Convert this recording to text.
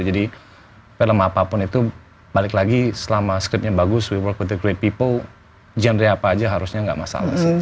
jadi film apapun itu balik lagi selama scriptnya bagus we work with the great people genre apa aja harusnya gak masalah sih